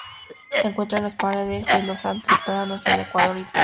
Se encuentra en las praderas de los altiplanos de Ecuador y Perú.